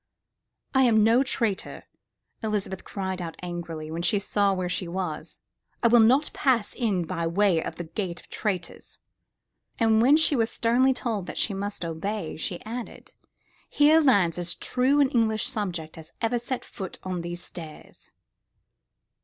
"I am no traitor," Elizabeth cried out angrily when she saw where she was, "I will not pass in by way of the gate of Traitors." And when she was sternly told that she must obey, she added: "Here lands as true an English subject as ever set foot on these stairs!"